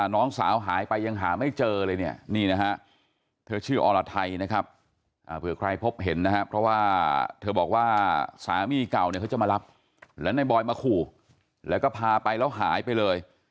น้องสาวหายไปยังหาไม่เจอเลย